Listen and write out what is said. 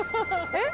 えっ？